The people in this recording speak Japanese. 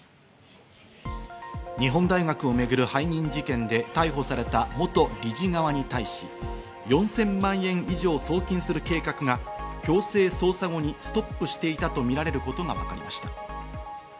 日本大学を巡る背任事件で逮捕された元理事側に対し、４０００万円以上、送金する計画が強制捜査後にストップしていたとみられることはわかりました。